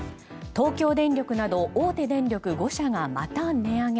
東京電力など大手電力５社がまた値上げ。